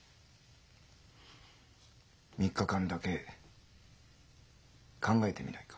３日間だけ考えてみないか？